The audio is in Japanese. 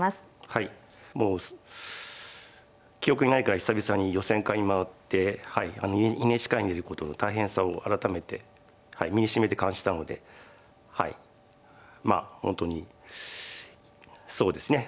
はいもう記憶にないくらい久々に予選会に回ってＮＨＫ杯に出ることの大変さを改めて身にしみて感じたのではいまあ本当にそうですね